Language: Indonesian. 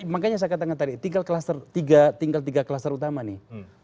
makanya saya katakan tadi tinggal tiga kluster utama nih